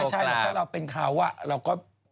ถ้าเราเป็นคาว่าเราก็